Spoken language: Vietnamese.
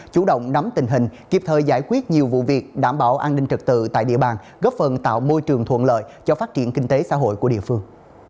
chủ động nắm tình hình kịp thời giải quyết nhiều vụ việc đảm bảo an ninh trật tự tại địa bàn góp phần tạo môi trường thuận lợi cho phát triển kinh tế xã hội của địa phương